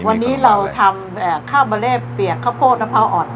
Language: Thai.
วันนี้เราทำข้าวเมลเปียกข้าวโพดมะพร้าวอ่อน